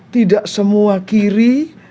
tidak semua kiri